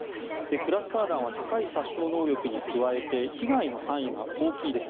クラスター弾は高い殺傷能力に加えて被害の範囲が大きいです。